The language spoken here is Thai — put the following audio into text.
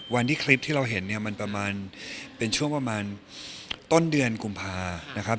วันที่คลิปที่เราเห็นเนี่ยมันประมาณเป็นช่วงประมาณต้นเดือนกุมภานะครับ